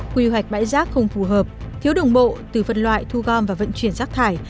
quy hoạch bãi rác không phù hợp thiếu đồng bộ từ phân loại thu gom và vận chuyển rác thải